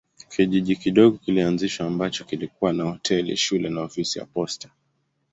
Kijiji kidogo kilianzishwa ambacho kilikuwa na hoteli, shule na ofisi ya posta.